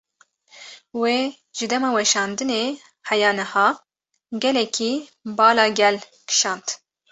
Vê ji dema weşandinê heya niha gelekî bala gel kîşand.